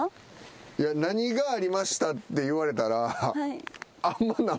いや「何がありました？」って言われたら。